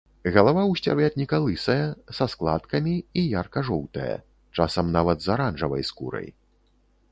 Галава ў сцярвятніка лысая, са складкамі, і ярка-жоўтая, часам нават з аранжавай скурай.